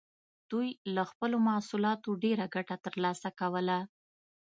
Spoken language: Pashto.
دوی له خپلو محصولاتو ډېره ګټه ترلاسه کوله.